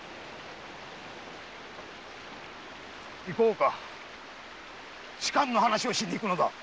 さあ仕官の話をしに行くのだ。